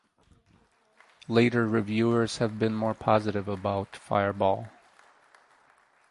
Later reviewers have been more positive about "Fireball".